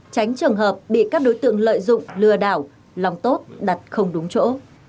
tránh trường hợp bị các đối tượng lợi dụng lừa đảo lòng tốt đặt không đúng chỗ